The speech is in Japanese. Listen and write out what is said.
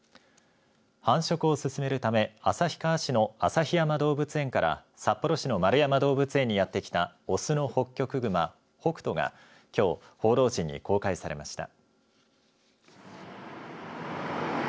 繁殖を進めるため旭川市の旭山動物園から札幌市の円山動物園にやってきた雄のホッキョクグマホクトがきょう報道陣に公開されました。